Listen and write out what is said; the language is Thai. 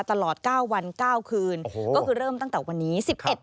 ตลอด๙วัน๙คืนก็คือเริ่มตั้งแต่วันนี้๑๑